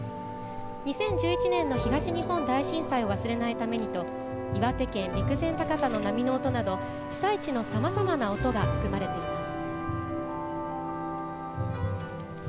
２０１１年の東日本大震災を忘れないためにと岩手県陸前高田の波の音など被災地のさまざまな音が含まれています。